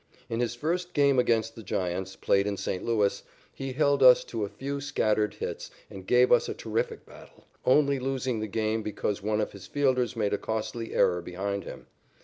In his first game against the Giants, played in St. Louis, he held us to a few scattered hits and gave us a terrific battle, only losing the game because one of his fielders made a costly error behind him.